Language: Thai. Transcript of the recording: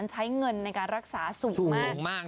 ใช้เงินในการรักษาสูงมาก